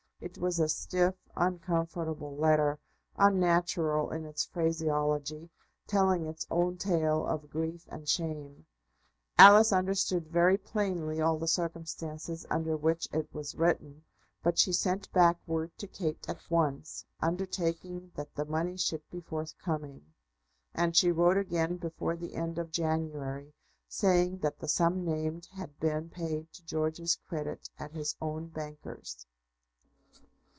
It was a stiff, uncomfortable letter, unnatural in its phraseology, telling its own tale of grief and shame. Alice understood very plainly all the circumstances under which it was written, but she sent back word to Kate at once, undertaking that the money should be forthcoming; and she wrote again before the end of January, saying that the sum named had been paid to George's credit at his own bankers.